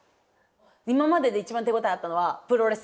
今までで一番手応えあったのはプロレス。